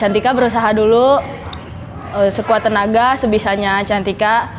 cantika berusaha dulu sekuat tenaga sebisanya cantika